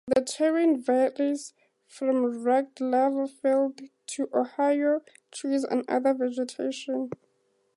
The terrain varies from rugged lava fields to ohia trees and other vegetation.